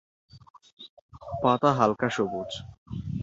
পাতা হালকা সবুজ।